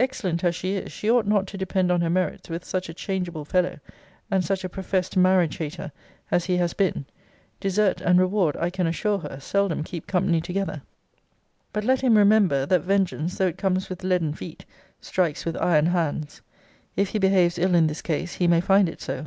Excellent as she is, she ought not to depend on her merits with such a changeable fellow, and such a profest marriage hater, as he has been. Desert and reward, I can assure her, seldom keep company together. But let him remember, that vengeance though it comes with leaden feet, strikes with iron hands. If he behaves ill in this case, he may find it so.